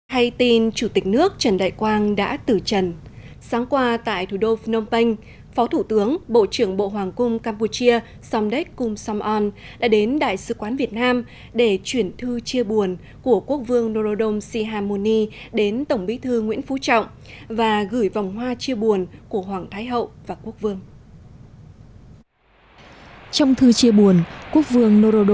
hay tin chủ tịch nước trần đại quang đã tử trần sáng qua tại thủ đô phnom penh phó thủ tướng bộ trưởng bộ hoàng cung campuchia somdek kum som on đã đến đại sứ quán việt nam để chuyển thư chia buồn của quốc vương norodom sihamoni đến tổng bí thư nguyễn phú trọng và gửi vòng hoa chia buồn của hoàng thái hậu và quốc vương